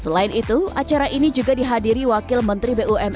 selain itu acara ini juga dihadiri wakil menteri bumn